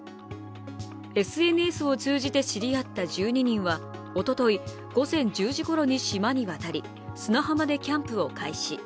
ＳＮＳを通じて知り合った１２人はおととい、午前１０時ごろに島に渡り、砂浜でキャンプを開始。